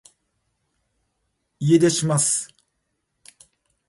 家出します